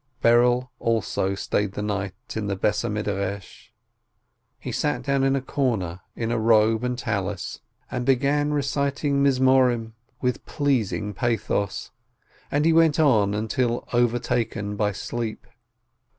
Berel also stayed the night in the house of study. He sat down in a corner, in robe and Tallis, and began reciting Psalms with a pleasing pathos, and he went on until overtaken by sleep.